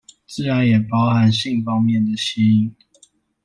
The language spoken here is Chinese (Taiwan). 自然也包含性方面的吸引